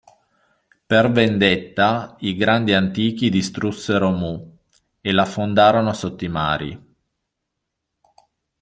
Per vendetta, i Grandi Antichi distrussero Mu e la affondarono sotto i mari.